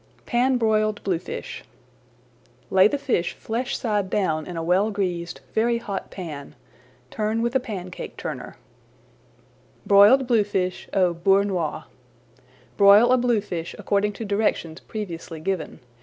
PAN BROILED BLUEFISH Lay the fish flesh side down in a well greased, very hot pan. Turn with a pancake turner. [Page 74] BROILED BLUEFISH AU BEURRE NOIR Broil a bluefish according to directions previously given.